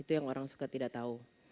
itu yang orang suka tidak tahu